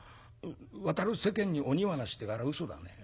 『渡る世間に鬼はなし』ってあれうそだね。